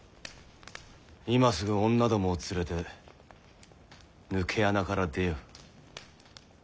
今すぐ女どもを連れて抜け穴から出よ。